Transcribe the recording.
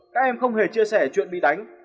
các em không hề chia sẻ chuyện bị đánh